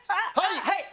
はい！